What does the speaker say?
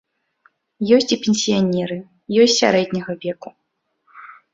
Ёсць і пенсіянеры, ёсць сярэдняга веку.